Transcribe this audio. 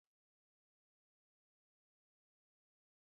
اوس هر اهل ذوق کس کولی شي په ساعتونو کې خپل کمپوز ولري.